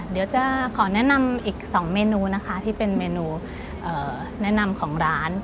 เดี๋ยวจะขอแนะนำอีก๒เมนูนะคะที่เป็นเมนูแนะนำของร้าน